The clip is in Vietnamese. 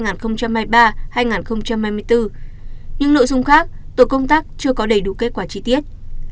những nội dung khác tổ công tác chưa có đầy đủ kết quả chi tiết